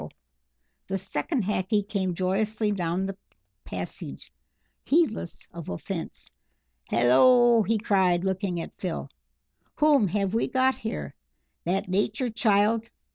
The second Hackee came joyously down the passage, heedless of offence. "Hallo," he cried, looking at Phil, "whom have we got here? That Nature child?